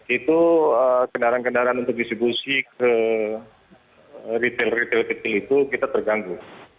itu kendaraan kendaraan untuk distribusi ke retail retail kecil itu kita terganggu